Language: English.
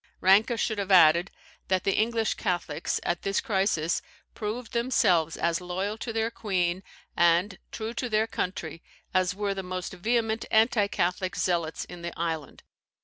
Ranke should have added that the English Catholics at this crisis proved themselves as loyal to their queen, and true to their country, as were the most vehement anti Catholic zealots in the island.